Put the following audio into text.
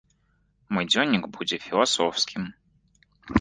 Мой дзённік будзе філасофскім.